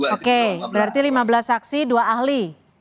oke berarti lima belas saksi dua ahli